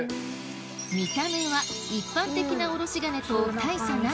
見た目は一般的なおろし金と大差ないようですが